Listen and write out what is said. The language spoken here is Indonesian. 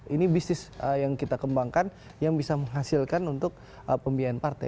ini bisnis yang kita kembangkan yang bisa menghasilkan untuk pembiayaan partai